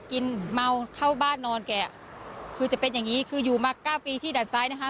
กินเมาเข้าบ้านนอนแกคือจะเป็นอย่างงี้คืออยู่มาเก้าปีที่ดัดซ้ายนะคะ